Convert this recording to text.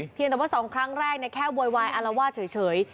เพียงแต่ว่าสองคลั้งแรกแค่บวนวายวเฉย